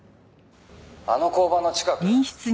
「あの交番の近く？」